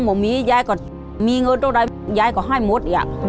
หม่อมีย้ายก็มีเงินเท่าไหร่ย้ายก็ให้หมด